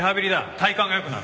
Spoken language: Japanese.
体幹が良くなる。